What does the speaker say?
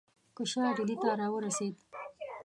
که شاه ډهلي ته را ورسېد.